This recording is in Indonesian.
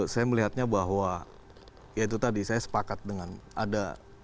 saya melihatnya bahwa ya itu tadi saya sepakat dengan ada